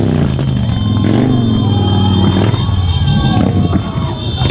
สวัสดีครับทุกคน